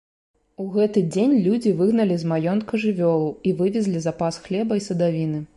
У гэты дзень людзі выгналі з маёнтка жывёлу і вывезлі запас хлеба і садавіны.